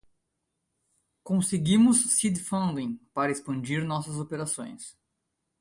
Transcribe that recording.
Conseguimos seed funding para expandir nossas operações.